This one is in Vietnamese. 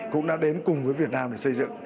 cũng đã đến cùng với việt nam để xây dựng